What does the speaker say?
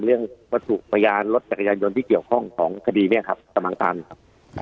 เรื่องวัตถุพยานรถจักรยานยนต์ที่เกี่ยวข้องของคดีเนี่ยครับกำลังตามอยู่ครับ